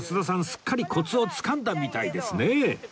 すっかりコツをつかんだみたいですね